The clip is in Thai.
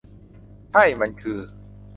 ใช่ มันคือ ?